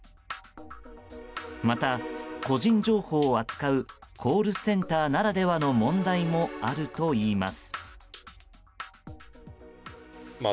また、個人情報を扱うコールセンターならではの問題もあるといいます。